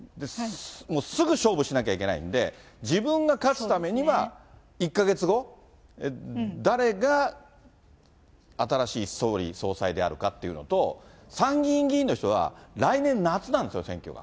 すぐ勝負しなきゃいけないんで、自分が勝つためには、１か月後、誰が新しい総理総裁であるかっていうのと、参議院議員の人は、来年夏なんですよ、選挙が。